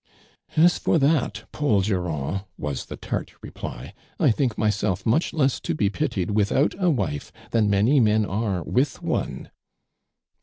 "As fortliiit, Paul Durand," was the tart i eply, "I think myself much less to be pitied without a wife than many men ar« with one."